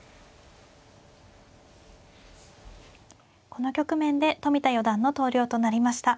この局面で冨田四段の投了となりました。